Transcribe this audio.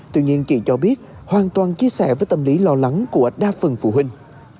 tuy nhiên chị cho biết hoàn toàn chia sẻ với tâm lý lo lắng của đa phần phụ huynh